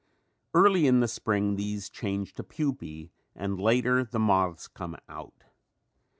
Early in the spring these change to pupae and later the moths come out.